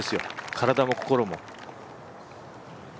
体も、心も。